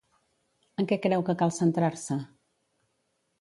En què creu que cal centrar-se?